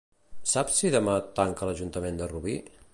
Saps si demà tanca l'Ajuntament de Rubí?